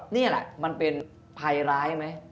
นี่แหละมันเป็นภัยร้ายไหม